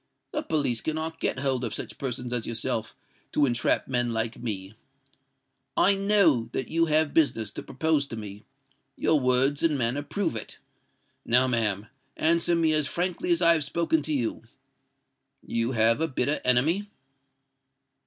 The police cannot get hold of such persons as yourself to entrap men like me. I know that you have business to propose to me: your words and manner prove it. Now, ma'am, answer me as frankly as I have spoken to you. You have a bitter enemy?"